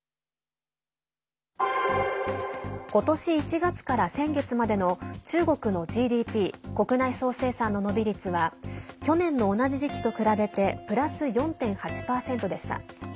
ことし１月から先月までの中国のＧＤＰ＝国内総生産の伸び率は去年の同じ時期と比べてプラス４．８％でした。